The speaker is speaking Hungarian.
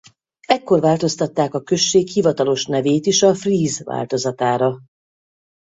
Ekkor változtatták a község hivatalos nevét is a fríz változatára.